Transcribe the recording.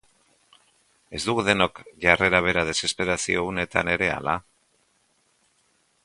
Ez dugu denok jarrera bera desesperazio uneetan ere, ala?.